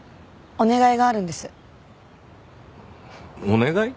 お願い？